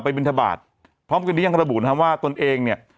ต่อไปบิณฑบาตพร้อมกันดียังระบุณว่าตนเองเนี่ย